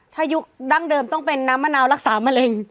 ถ้ายุคดั้งเดิมต้องเป็นน้ำมะนาวรักษามะเร็ง